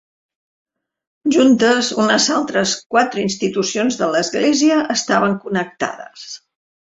Juntes, unes altres quatre institucions de l'església estaven connectades.